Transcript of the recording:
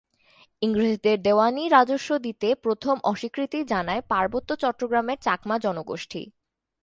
ইংরেজদের দেওয়ানি রাজস্ব দিতে প্রথম অস্বীকৃতি জানায় পার্বত্য চট্টগ্রামের চাকমা জনগোষ্ঠী।